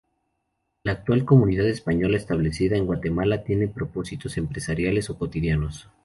La actual comunidad española establecida en Guatemala tiene propósitos empresariales o cotidianos.